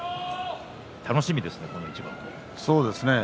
楽しみですね、この一番。